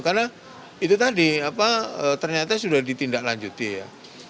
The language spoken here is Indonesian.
karena itu tadi apa ternyata sudah ditindak lanjuti ya